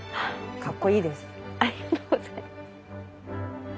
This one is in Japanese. かっこいいです。